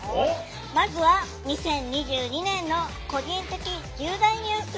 まずは２０２２年の「個人的重大ニュース」。